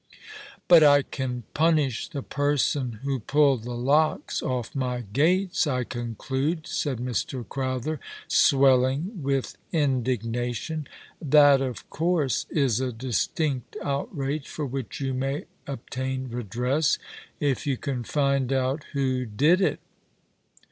" But I can punish the person who pulled the locks off my gates, I conclude?" said Mr. Crowther, swelling with indignation. " That, of course, is a distinct outrage, for which you may obtain redress, if you can find out who did it."